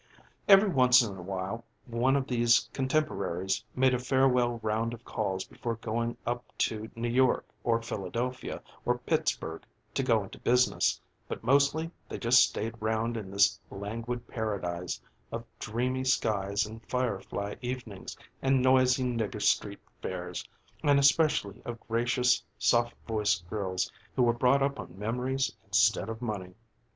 Every once in a while one of these contemporaries made a farewell round of calls before going up to New York or Philadelphia or Pittsburgh to go into business, but mostly they just stayed round in this languid paradise of dreamy skies and firefly evenings and noisy nigger street fairs and especially of gracious, soft voiced girls, who were brought up on memories instead of money.